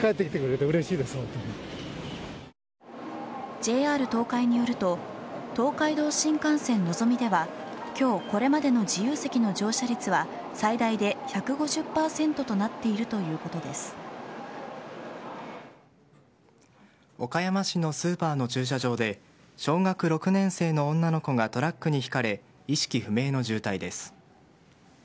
ＪＲ東海によると東海道新幹線・のぞみでは今日これまでの自由席の乗車率は最大で１５０％となっている岡山市のスーパーの駐車場で小学６年生の女の子がトラックにひかれ意識不明の重体です。